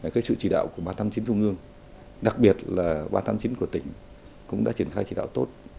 cái sự chỉ đạo của ba trăm tám mươi chín trung ương đặc biệt là ba trăm tám mươi chín của tỉnh cũng đã triển khai chỉ đạo tốt